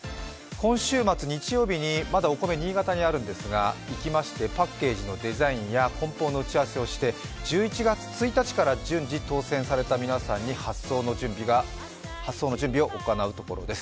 今週末、日曜日にまだお米、新潟にあるんですが、行きましてパッケージのデザインやこん包の打ち合わせをして１１月１日から順次、当選された皆さんに発送の準備をするところです。